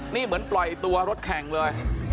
นี่เหมือนปล่อยตัวรถแข่งเลย